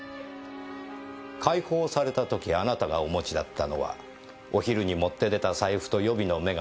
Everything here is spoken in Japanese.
解放された時あなたがお持ちだったのはお昼に持って出た財布と予備の眼鏡。